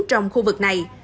trong khu vực này